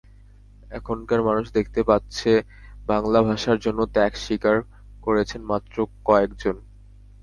এখনকার মানুষ দেখতে পাচ্ছে, বাংলা ভাষার জন্য ত্যাগ স্বীকার করেছেন মাত্র কয়েকজন।